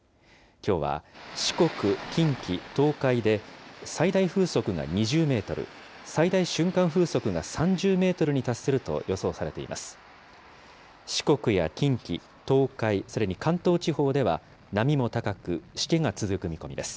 きょうは四国、近畿、東海で最大風速が２０メートル、最大瞬間風速が３０メートルに達すると予想されています。